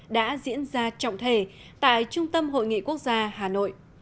đã diễn ra trọng thể tại trung tâm hội nghị quốc gia hà nội